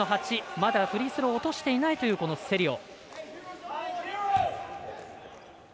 まだフリースローを落としていないセリオ。